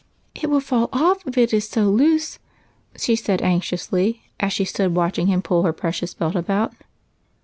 " It will fall off if it is so loose," she said anxiously, as she stood watching him pull her precious belt about.